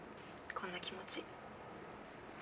こんな気持ち。